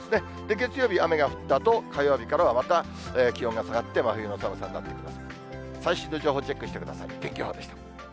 月曜日、雨が降ったあと、火曜日からはまた気温が下がって、真冬の寒さになってきます。